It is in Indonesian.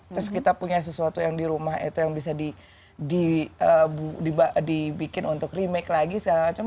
terus kita punya sesuatu yang di rumah itu yang bisa dibikin untuk remake lagi segala macam